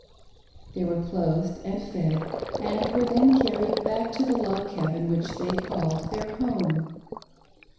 They were clothed and fed, and were then carried back to the log cabin which they called their home.